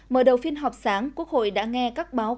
mở đầu phiên họp sáng quốc hội đã nghe các báo cáo